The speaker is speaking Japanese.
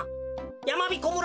やまびこ村をす